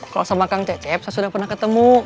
kalau sama kang cecep saya sudah pernah ketemu